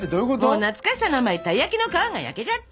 もう懐かしさのあまりたい焼きの皮が焼けちゃった！